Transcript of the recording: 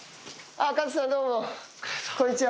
あっカズさんどうもこんにちは。